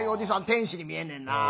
天使に見えんねんな。